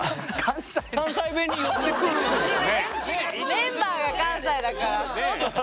メンバーが関西だからそっか。